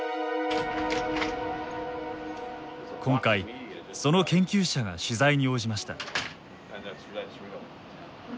今回その研究者が取材に応じました。